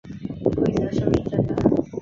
规则是不是真的